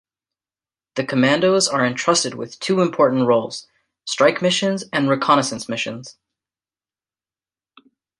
The commandos are entrusted with two important roles: strike missions and reconnaissance missions.